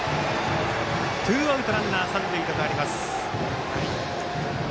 ツーアウト、ランナー、三塁と変わります。